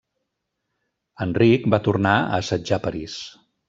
Enric va tornar a assetjar París.